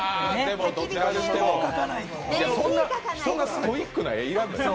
そんなストイックな絵いらんのよ。